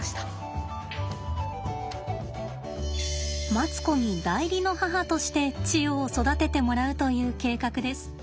マツコに代理の母としてチヨを育ててもらうという計画です。